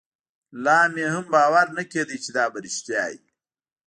لا مې هم باور نه کېده چې دا به رښتيا وي.